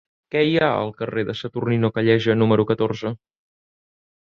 Què hi ha al carrer de Saturnino Calleja número catorze?